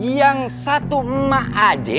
yang satu emak ade